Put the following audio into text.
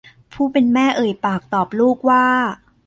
ผู้เป็นแม่เอ่ยปากตอบลูกว่า